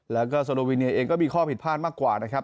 แล้วก็โซโลวิเนียเองก็มีข้อผิดพลาดมากกว่านะครับ